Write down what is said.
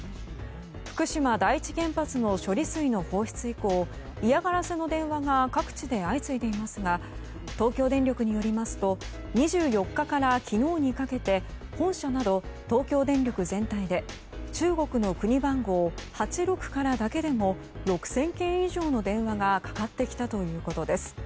福島第一原発の処理水の放出以降、嫌がらせの電話が各地で相次いでいますが東京電力によりますと２４日から昨日にかけて本社など東京電力全体で中国の国番号８６からだけでも６０００件以上の電話がかかってきたということです。